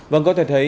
vâng có thể thấy